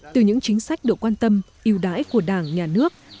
từ những chính sách độ quan tâm yêu đái của đảng nhà nước